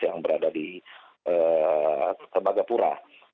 yang berada di tembaga kura